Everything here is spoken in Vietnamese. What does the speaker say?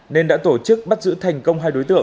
nên đã tổ chức bắt giữ thành công hai đối tượng